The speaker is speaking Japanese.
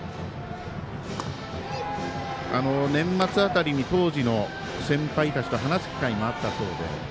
年末辺りに当時の先輩たちと話す機会もあったそうで。